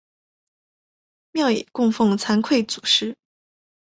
庙也供俸惭愧祖师。